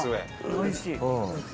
おいしい。